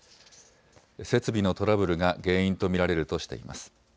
設備のトラブルが原因と見られるとしています。